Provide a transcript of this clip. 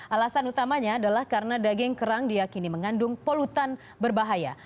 alasan utamanya adalah karena daging kerang diakini mengandung polutan berbahaya